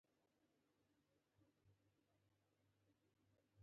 آیا دوی قیمت نه ټیټوي؟